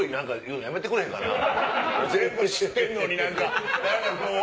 全部知ってんのに何か。